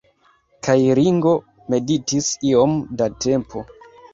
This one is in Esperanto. Kaj Ringo meditis iom da tempo.